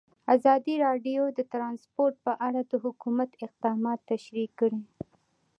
ازادي راډیو د ترانسپورټ په اړه د حکومت اقدامات تشریح کړي.